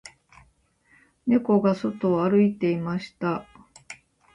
猫が外を歩いていました